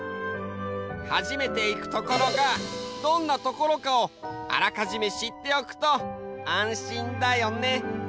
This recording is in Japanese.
初めていくところがどんなところかをあらかじめしっておくと安心だよね。